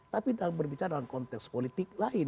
tapi dalam berbicara dalam konteks politik lain